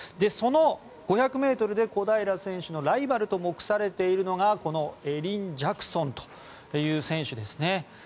その５００ｍで小平選手のライバルと目されているのがこのエリン・ジャクソンという選手ですね。